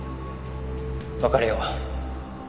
別れよう。